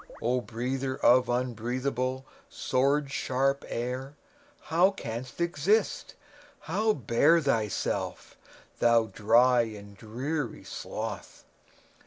O breather of unbreathable, sword sharp air, How canst exist? How bear thyself, thou dry And dreary sloth?